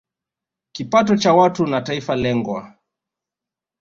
kipato cha watu na taifa lengwa